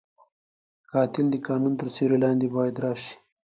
قاتل د قانون تر سیوري لاندې باید راشي